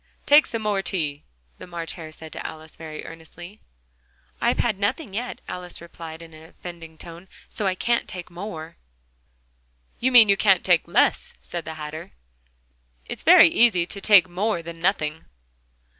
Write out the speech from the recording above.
"Take some more tea," the March Hare said to Alice, very earnestly. "I've had nothing yet," Alice replied in an offended tone, "so I can't take more." "You mean you can't take less," said the Hatter: "It's very easy to take more than nothing."